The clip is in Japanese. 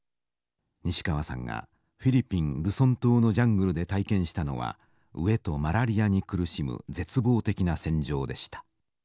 西川さんがフィリピン・ルソン島のジャングルで体験したのは飢えとマラリアに苦しむ絶望的な戦場でした。